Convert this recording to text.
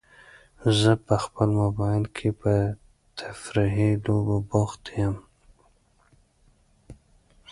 زه په خپل موبایل کې په تفریحي لوبو بوخت یم.